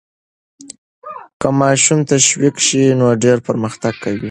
که ماشوم تشویق سي نو ډېر پرمختګ کوي.